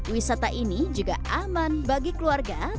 wisata ini juga aman bagi kebun teh